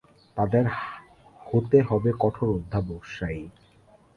তাদের হতে হবে কঠোর অধ্যবসায়ী।